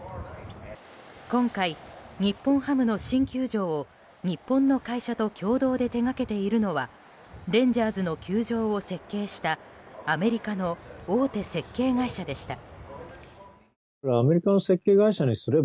今回、日本ハムの新球場を日本の会社と共同で手掛けているのはレンジャーズの球場を設計したアメリカの大手設計会社でした。